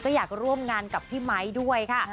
ก็อยากร่วมงานกับพี่ไมค์ด้วยค่ะ